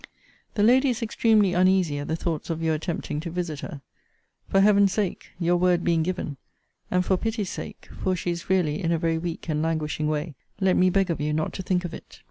The lady is extremely uneasy at the thoughts of your attempting to visit her. For Heaven's sake, (your word being given,) and for pity's sake, (for she is really in a very weak and languishing way,) let me beg of you not to think of it.